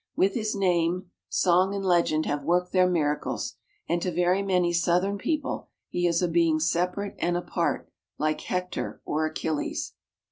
With his name, song and legend have worked their miracles, and to very many Southern people he is a being separate and apart, like Hector or Achilles.